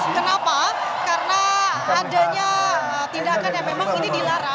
kenapa karena adanya tindakan yang memang ini dilarang